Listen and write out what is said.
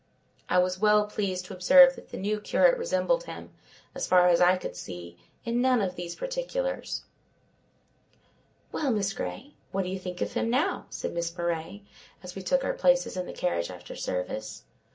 I was well pleased to observe that the new curate resembled him, as far as I could see, in none of these particulars. "Well, Miss Grey, what do you think of him now?" said Miss Murray, as we took our places in the carriage after service.